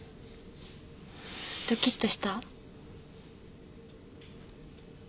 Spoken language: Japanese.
ドキッとした？